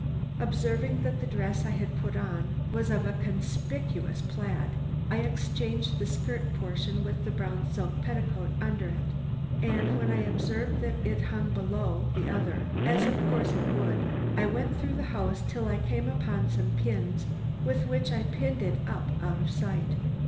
Observing that the dress I had put on was of a conspicuous plaid, I exchanged the skirt portion with the brown silk petticoat under it, and when I observed that it hung below the other, as of course it would, I went through the house till I came upon some pins with which I pinned it up out of sight.